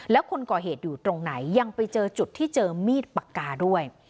แล้วคนก่อเหตุอยู่ตรงไหนยังไปเจอจุดที่เจอมีดปากกาด้วย